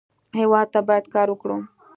هېواد ته باید کار وکړو